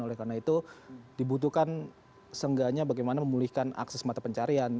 oleh karena itu dibutuhkan seenggaknya bagaimana memulihkan akses mata pencarian